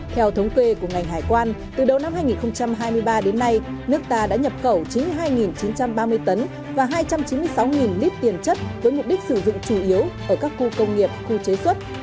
theo thống kê của ngành hải quan từ đầu năm hai nghìn hai mươi ba đến nay nước ta đã nhập khẩu chín mươi hai chín trăm ba mươi tấn và hai trăm chín mươi sáu lít tiền chất với mục đích sử dụng chủ yếu ở các khu công nghiệp khu chế xuất